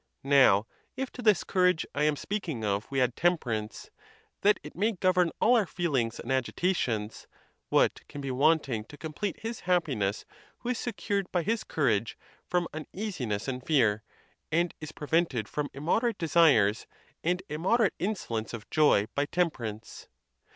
Now, if to this courage I am speaking of we add temperance, that it may govern all our feelings and agitations, what can be wanting to complete his happiness who is secured by his courage from uneasiness and fear, and is prevented from immoderate desires and immoderate insolence of joy by temperance?